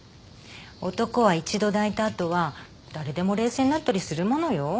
男は一度抱いた後は誰でも冷静になったりするものよ。